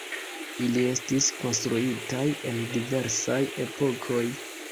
Ili estis konstruitaj en diversaj epokoj.